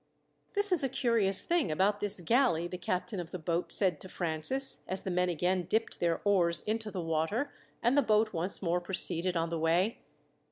"This is a curious thing about this galley," the captain of the boat said to Francis, as the men again dipped their oars into the water, and the boat once more proceeded on the way.